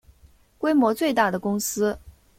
规模最大的公司